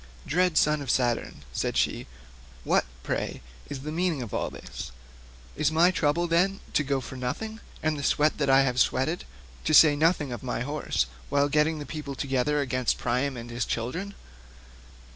"Dread son of Saturn," said she, "what, pray, is the meaning of all this? Is my trouble, then, to go for nothing, and the sweat that I have sweated, to say nothing of my horses, while getting the people together against Priam and his children?